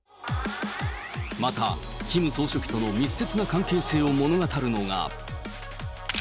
また、キム総書記との密接な関係性を物語るのが。